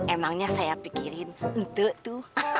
emangnya saya pikirin untuk tuh